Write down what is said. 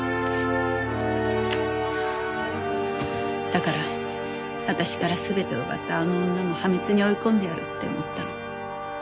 だから私から全てを奪ったあの女も破滅に追い込んでやるって思ったの。